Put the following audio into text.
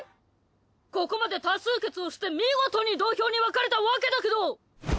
ここまで多数決をして見事に同票に分かれたわけだけど！